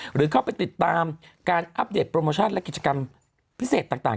หรือเข้าไปติดตามการอัปเดตโปรโมชั่นและกิจกรรมพิเศษต่าง